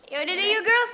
yaudah deh yuk girls